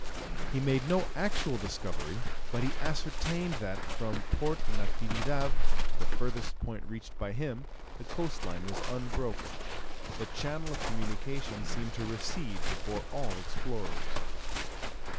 He made no actual discovery, but he ascertained that, from Port Natividad to the furthest point reached by him, the coast line was unbroken. The channel of communication seemed to recede before all explorers.